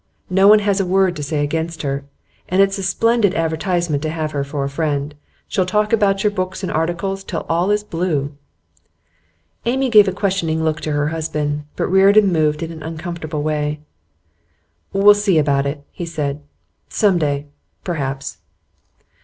No one has a word to say against her. And it's a splendid advertisement to have her for a friend. She'll talk about your books and articles till all is blue.' Amy gave a questioning look at her husband. But Reardon moved in an uncomfortable way. 'We'll see about it,' he said. 'Some day, perhaps.